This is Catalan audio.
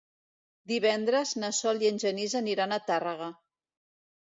Divendres na Sol i en Genís aniran a Tàrrega.